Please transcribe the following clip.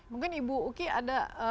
mungkin ibu uki ada